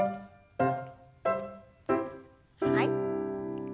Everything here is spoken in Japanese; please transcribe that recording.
はい。